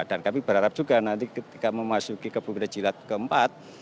dan kami berharap juga nanti ketika memasuki ke pemimpinan jilat keempat